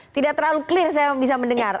tidak terlalu clear saya bisa mendengar